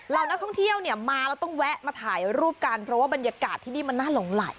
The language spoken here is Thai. นักท่องเที่ยวเนี่ยมาแล้วต้องแวะมาถ่ายรูปกันเพราะว่าบรรยากาศที่นี่มันน่าหลงไหล